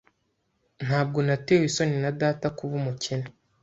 Ntabwo natewe isoni na data kuba umukene.